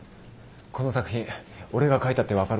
この作品俺が書いたって分かるか？